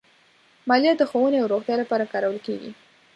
مالیه د ښوونې او روغتیا لپاره کارول کېږي.